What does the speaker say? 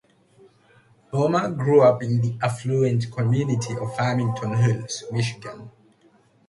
Ballmer grew up in the affluent community of Farmington Hills, Michigan.